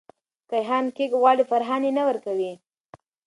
کیهان کونه غواړې.فرحان یی نه ورکوې